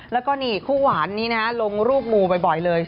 แล้วก็นี่คู่หวานนี้นะฮะลงรูปมูบ่อยเลย